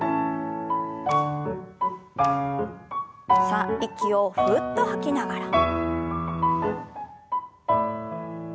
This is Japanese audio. さあ息をふうっと吐きながら。